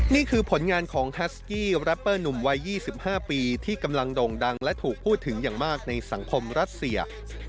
นี่คือผลงานของแฮสกี้แรปเปอร์หนุ่มวัย๒๕ปีที่กำลังโด่งดังและถูกพูดถึงอย่างมากในสังคมรัสเซีย